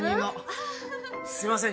ああすいません